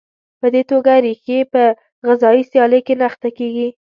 په دې توګه ریښې په غذایي سیالۍ کې نه اخته کېږي.